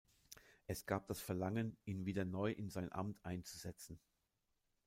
Es gab das Verlangen, ihn wieder neu in sein Amt einzusetzen.